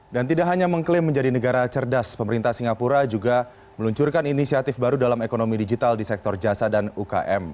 dan tidak hanya mengklaim menjadi negara cerdas pemerintah singapura juga meluncurkan inisiatif baru dalam ekonomi digital di sektor jasa dan ukm